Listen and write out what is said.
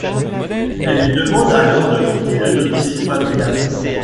Elle lui demande alors de quitter le domicile familial.